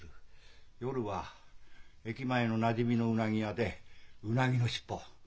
夜は駅前のなじみのうなぎ屋でうなぎの尻尾を。